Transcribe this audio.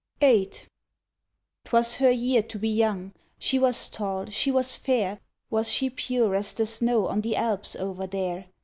VIII. ‘Twas her year to be young. She was tall, she was fair Was she pure as the snow on the Alps over there?